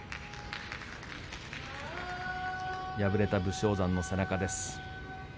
敗れた武将山の背中です。